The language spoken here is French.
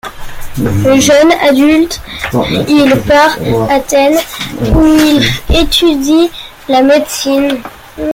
Jeune adulte, il part Athènes où il étudie la médecine.